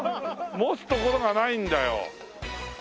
持つところがないんだよ。